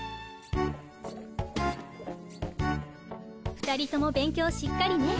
２人とも勉強しっかりね。